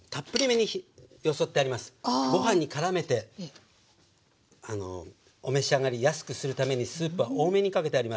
ご飯にからめてお召し上がりやすくするためにスープは多めにかけてあります。